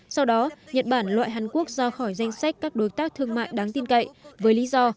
sau đó nhật bản loại hàn quốc ra khỏi danh sách các đối tác thương mại đáng tin cậy với lý do